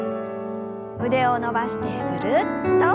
腕を伸ばしてぐるっと。